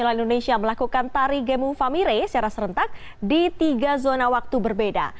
pengelola indonesia melakukan tari gemu famire secara serentak di tiga zona waktu berbeda